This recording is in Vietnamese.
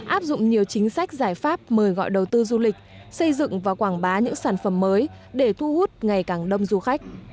áp dụng nhiều chính sách giải pháp mời gọi đầu tư du lịch xây dựng và quảng bá những sản phẩm mới để thu hút ngày càng đông du khách